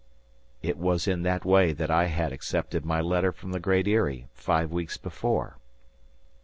It was in that way that I had accepted my letter from the Great Eyrie, five weeks before.